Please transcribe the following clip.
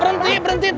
berhenti berhenti pang